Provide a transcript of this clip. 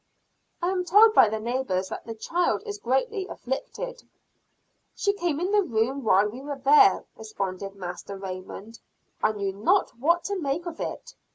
"I am told by the neighbors that the child is greatly afflicted." "She came in the room while we were there," responded Master Raymond. "I knew not what to make of it.